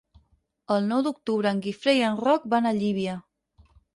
El nou d'octubre en Guifré i en Roc van a Llívia.